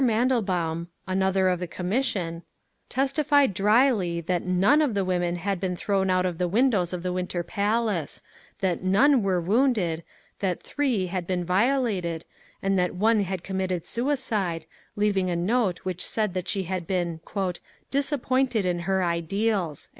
Mandelbaum, another of the commission, testified drily that none of the women had been thrown out of the windows of the Winter Palace, that none were wounded, that three had been violated, and that one had committed suicide, leaving a note which said that she had been "disappointed in her ideals."